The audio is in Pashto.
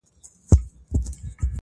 په پس استعمار دوره کي